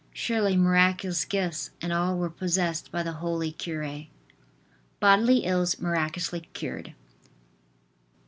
Surely miraculous gifts and all were possessed by the holy cure. BODILY ILLS MIRACULOUSLY CURED.